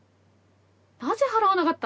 「なぜ払わなかった？」